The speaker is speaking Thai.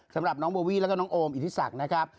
สำหรับน้องโบวี่แล้วก็น้องโอมอิทธิศักดิ์นะครับ